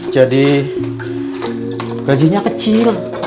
jadi gajinya kecil